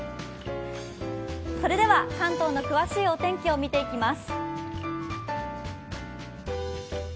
それでは関東の詳しいお天気を見ていきます。